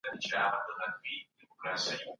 که پوښتنه وسي نو ستونزه نه پټېږي.